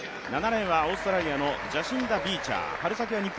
７レーンはオーストラリアのジャシンタ・ビーチャー。